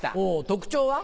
特徴は？